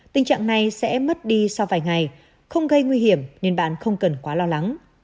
tình trạng này sẽ mất đi sau vài ngày không gây nguy hiểm nên bạn không cần quá lo lắng